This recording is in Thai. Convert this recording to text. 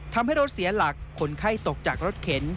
ทำให้รถเสียหลักคนไข้ตกจากรถเข็น